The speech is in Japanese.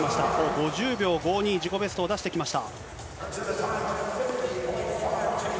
５０秒５２、自己ベストを出してきました。